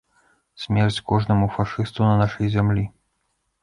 Смерць кожнаму фашысту на нашай зямлі!